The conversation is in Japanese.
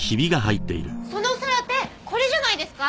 そのお皿ってこれじゃないですか？